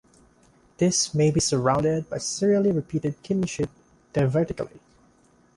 This may be surrounded by serially repeated kidney-shaped diverticulae.